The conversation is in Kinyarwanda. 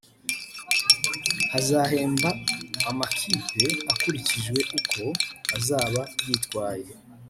hazahemba amakipe hakurikijwe uko azaba yitwaye